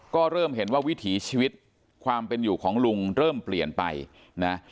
ก็เริ่มเห็นว่าวิถีชีวิตความเป็นอยู่ของลุงเริ่มเปลี่ยนไปนะ